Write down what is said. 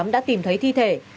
đã tìm thấy thi thể